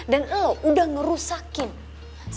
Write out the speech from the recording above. dan lo udah ngerusakin semuanya